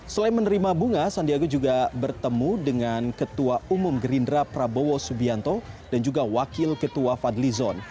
selain menerima bunga sandiaga juga bertemu dengan ketua umum gerindra prabowo subianto dan juga wakil ketua fadlizon